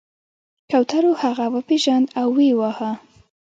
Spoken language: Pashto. کوترو هغه وپیژند او ویې واهه.